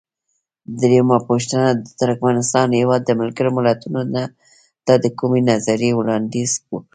درېمه پوښتنه: د ترکمنستان هیواد ملګرو ملتونو ته د کومې نظریې وړاندیز وکړ؟